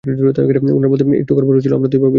উনার বলতে একটু গড়বড় হচ্ছিলো, আমরা তো এভাবেই শুনে আসছি।